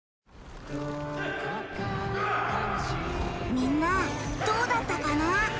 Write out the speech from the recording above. みんなどうだったかな？